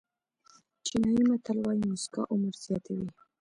چینایي متل وایي موسکا عمر زیاتوي.